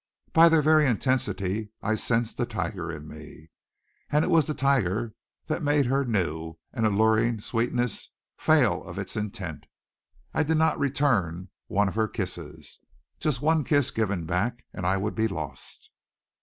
By their very intensity I sensed the tiger in me. And it was the tiger that made her new and alluring sweetness fail of its intent. I did not return one of her kisses. Just one kiss given back and I would be lost.